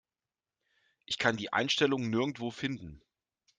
Ich kann die Einstellung nirgendwo finden.